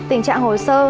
tình trạng hồ sơ